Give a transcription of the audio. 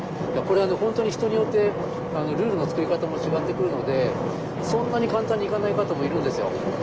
これ本当に人によってルールの作り方も違ってくるのでそんなに簡単にいかない方もいるんですよ。